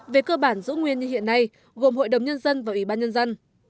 về cơ bản giữ nguyên như hiện nay gồm hội đồng nhân dân và ủy ban nhân dân